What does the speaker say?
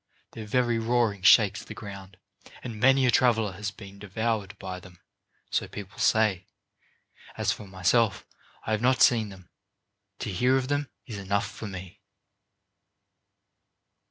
Their very roaring shakes the ground, and many a traveler has been devoured by them, so people say. As for myself, I have not seen them. To hear of them is enough for me."